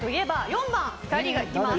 ４番、２人が来ます。